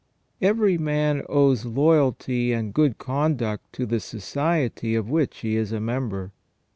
Every man owes loyalty and good conduct to the society of which he is a member.